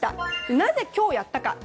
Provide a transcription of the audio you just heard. なぜ、今日やったか。